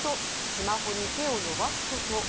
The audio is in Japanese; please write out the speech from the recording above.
スマホに手を伸ばすこと。